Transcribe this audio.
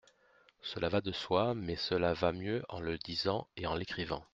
Cela va de soi mais cela va mieux en le disant et en l’écrivant.